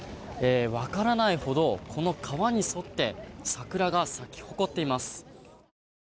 分からないほどこの川に沿って桜が咲き誇っています。